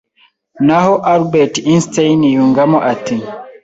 naho Albert Einstein yungamo ati